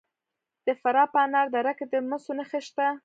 د فراه په انار دره کې د مسو نښې شته.